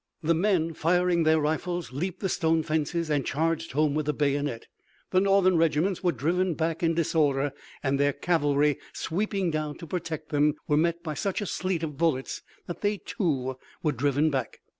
The men, firing their rifles, leaped the stone fences and charged home with the bayonet. The Northern regiments were driven back in disorder and their cavalry sweeping down to protect them, were met by such a sleet of bullets that they, too, were driven back.